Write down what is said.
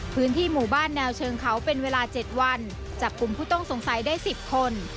พื้นที่หมู่บ้านแนวเชิงเขาเป็นเวลา๗วันจับกลุ่มผู้ต้องสงสัยได้๑๐คน